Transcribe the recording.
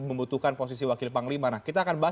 membutuhkan posisi wakil panglima nah kita akan bahas